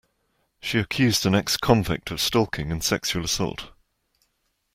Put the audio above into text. She accused an ex-convict of stalking and sexual assault.